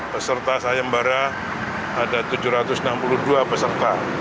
peserta saya mbah ra ada tujuh ratus enam puluh dua peserta